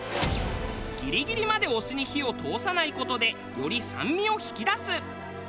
ギリギリまでお酢に火を通さない事でより酸味を引き出す。